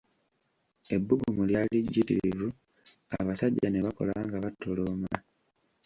Ebbugumu lyali jjitirivu abasajja ne bakola nga batolooma.